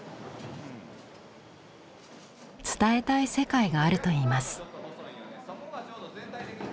伝えたい世界があるといいます。